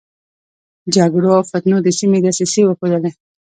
جګړو او فتنو د سيمې دسيسې وښودلې.